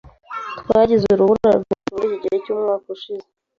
Twagize urubura rwinshi muriki gihe cyumwaka ushize.